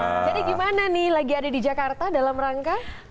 jadi gimana nih lagi ada di jakarta dalam rangka